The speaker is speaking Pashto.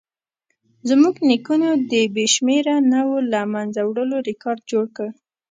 زموږ نیکونو د بې شمېره نوعو له منځه وړلو ریکارډ جوړ کړ.